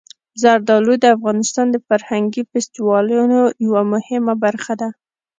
زردالو د افغانستان د فرهنګي فستیوالونو یوه مهمه برخه ده.